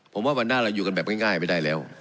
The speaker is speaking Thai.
ผมว่าวันหน้าเราอยู่กันแบบง่ายไม่ได้แล้ว